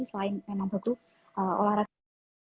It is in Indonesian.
selain memang betul olahraga